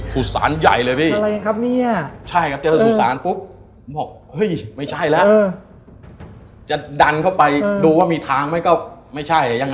ศูสารใหญ่เลยพี่ใช่ครับเจ้าศูสารปุ๊บมันบอกเฮ้ยไม่ใช่แล้ว